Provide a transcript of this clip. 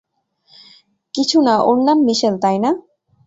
কিছু না ওর নাম মিশেল, তাই না?